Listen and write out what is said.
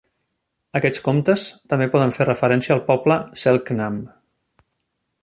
Aquests comptes també poden fer referència al poble Selk'nam.